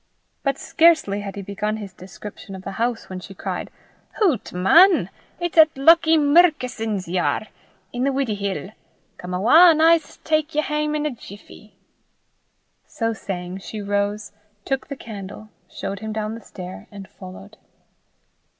But scarcely had he begun his description of the house when she cried, "Hoots, man! it's at Lucky Murkison's ye are, i' the Wuddiehill. Come awa, an' I s' tak ye hame in a jiffey." So saying, she rose, took the candle, showed him down the stair, and followed.